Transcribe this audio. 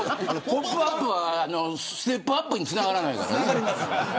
ポップＵＰ！はステップアップにつながらないよね。